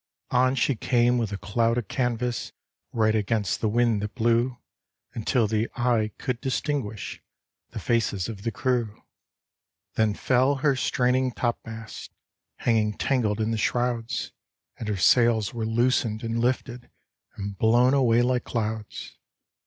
On she came with a cloud of canvas, Right against the wind that blew, Until the eye could distinguish The faces of the crew. D,gt,, erihyGOOgle The Phantom Light of the Bate des Ckaleurs 63 Then fell her straining topmasts, Hanging tangled in the shrouds. And her sails were loosened and lifted, And blown away like clouds.